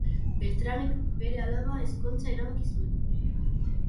Beltranek bere alaba ezkontzea erabaki zuen.